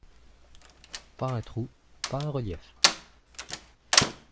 Pas un trou, pas un relief.